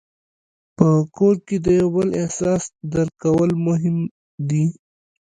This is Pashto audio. په کور کې د یو بل احساس درک کول مهم دي.